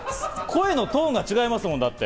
声のトーンが違いますもん。